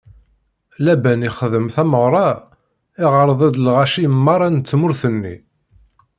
Laban ixdem tameɣra, iɛerḍ-d lɣaci meṛṛa n tmurt-nni.